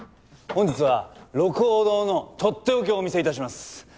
本日は鹿楓堂のとっておきをお見せ致します。